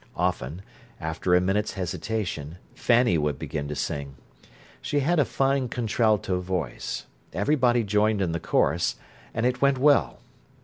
Often, after a minute's hesitation, Fanny would begin to sing. She had a fine contralto voice. Everybody joined in the chorus, and it went well.